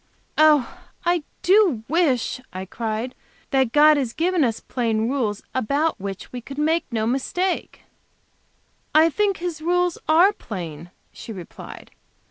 "Oh, I do wish," I cried, "that God had given us plain rules, about which we could make no mistake!" "I think His rules are plain," she replied.